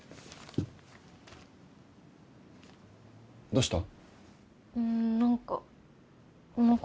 どうした？